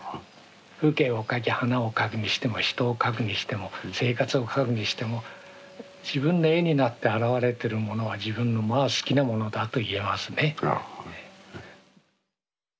風景を描き花を描くにしても人を描くにしても生活を描くにしても自分の絵になって表れてるものは自分のまあ好きなものだと言えますね。